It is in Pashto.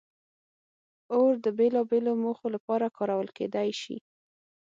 اور د بېلابېلو موخو لپاره کارول کېدی شي.